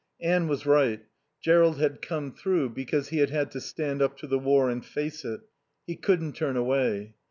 Anne was right; Jerrold had come through because he had had to stand up to the War and face it. He couldn't turn away.